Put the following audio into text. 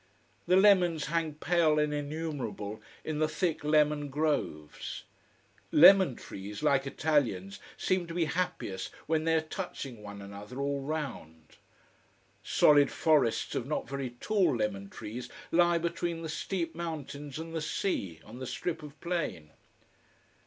The lemons hang pale and innumerable in the thick lemon groves. Lemon trees, like Italians, seem to be happiest when they are touching one another all round. Solid forests of not very tall lemon trees lie between the steep mountains and the sea, on the strip of plain.